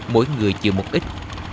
mỗi người chịu một ít